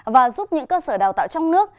và giúp những cơ sở đào tạo trong nước